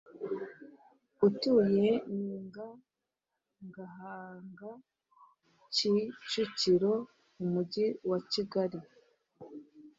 utuye ninga gahanga kicukiroumujyi wa kigali